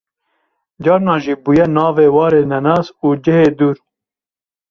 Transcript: carna jî bûye navê warê nenas û cihê dûr